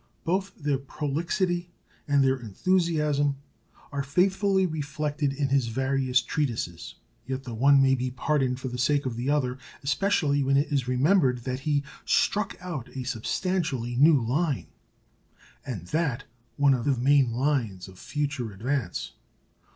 Both their prolixity and their enthusiasm are faithfully reflected in his various treatises. Yet the one may be pardoned for the sake of the other, especially when it is remembered that he struck out a substantially new line, and that one of the main lines of future advance.